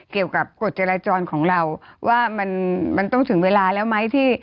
เกี่ยวกับกฎเจรจรของเราว่ามันต้องถึงเวลาแล้วไหมที่